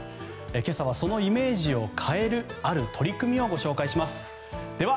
今朝はそのイメージを変えるある取り組みをご紹介します。